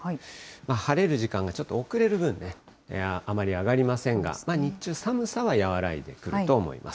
晴れる時間がちょっと遅れる分ね、あまり上がりませんが、日中、寒さは和らいでくると思います。